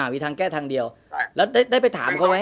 แล้วได้ไปถามเขาไหม